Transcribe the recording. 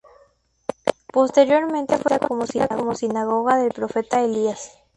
Posteriormente fue conocida como "Sinagoga del Profeta Elías".